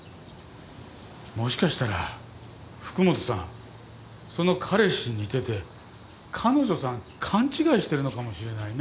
もしかしたら福本さんその彼氏に似てて彼女さん勘違いしてるのかもしれないね。